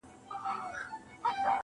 ځكه مي دعا، دعا، دعا په غېږ كي ايښې ده~